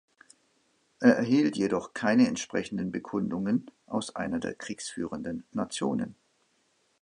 Er erhielt jedoch keine entsprechenden Bekundungen aus einer der kriegsführenden Nationen.